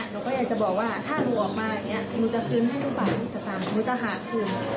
เราก็อยากจะบอกว่าถ้าหนูออกมาอย่างนี้หนูจะคืนให้หนูก่อนหนูจะหาคืน